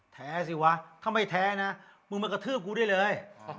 แท้สิวะถ้าไม่แท้นะมึงมากระทืบกูได้เลย